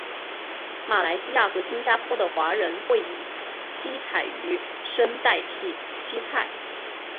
马来西亚和新加坡的华人会以七彩鱼生代替七菜。